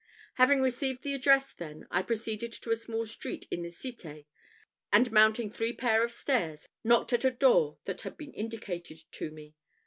Having received the address then, I proceeded to a small street in the cité, and mounting three pair of stairs, knocked at a door that had been indicated to me.